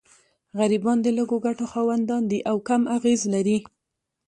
غریبان د لږو ګټو خاوندان دي او کم اغېز لري.